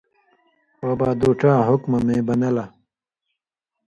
وہ با دُو ڇا حُکمہ مے بنہ لہ۔